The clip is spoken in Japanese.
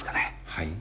はい？